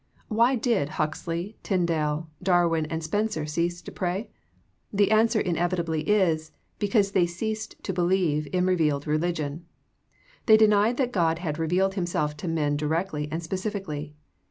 Why did Huxley, Tyndal, Darwin and Spencer cease to pray ? The an swer inevitably is, because they ceased to believe in revealed religion ; they denied that God had revealed Himself to men directly and specifically.